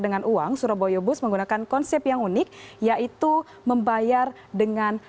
dengan uang surabaya bus menggunakan konsep yang unik yaitu membayar dengan